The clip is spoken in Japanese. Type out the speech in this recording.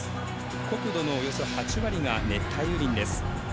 国土のおよそ８割が熱帯雨林です。